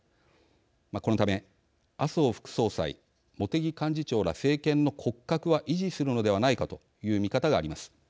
このため、麻生副総裁茂木幹事長ら政権の骨格は維持するのではないかという見方があります。